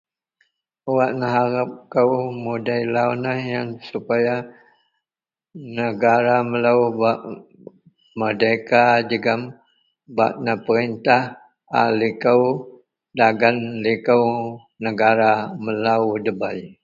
Wak neharepkou mudei lau neh yen supaya negara melou bak merdeka jegem bak naperintah a likou dagen likou negara melou debei.